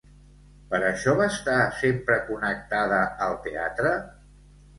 Per això, va estar sempre connectada al teatre?